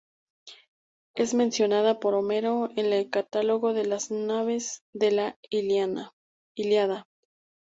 Es mencionada por Homero en el Catálogo de las naves de la "Ilíada".